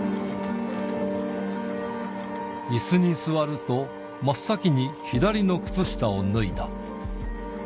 いすに座ると、真っ先に左の靴下を脱いだ。